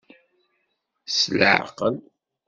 S leɛqel!